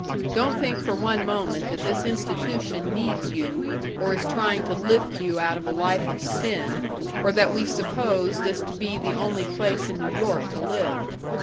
Don't think for one moment that this institution needs you, or is trying to lift you out of a life of sin, or that we suppose this to be the only place in New York to live.